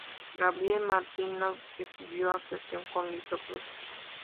Gabriel Martina estudió actuación con Lito Cruz.